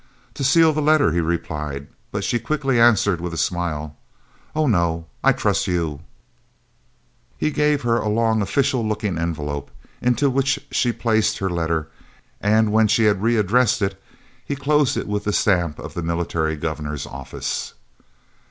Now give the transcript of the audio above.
"To seal the letter," he replied; but she quickly answered, with a smile: "Oh no; I trust you." He gave her a long official looking envelope, into which she placed her letter, and, when she had readdressed it, he closed it with the stamp of the Military Governor's office.